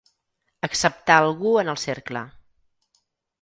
Acceptar algú en el cercle.